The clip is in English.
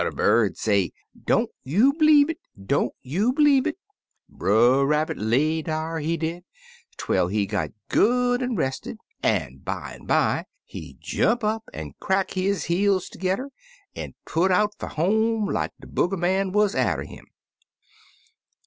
T'er bird say, 'Don't you b'lieve it I Don't you b'lieve it!' Brer Rabbit lay dar, he did, twel he got good an' rested, an' bimeby he jump up an' crack his heels tergedder, an' put out fer home like de booger man wuz atter 'im.